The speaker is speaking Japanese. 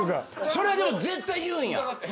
それはでも絶対言うんや？